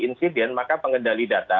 insiden maka pengendali data